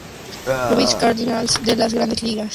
Louis Cardinals de las Grandes Ligas.